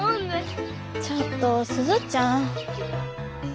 ちょっと鈴ちゃん。